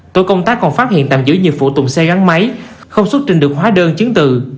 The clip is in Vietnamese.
tổ công tác còn phát hiện tạm giữ nhiều phụ tùng xe gắn máy không xuất trình được hóa đơn chứng từ